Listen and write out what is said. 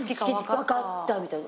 わかったみたいな。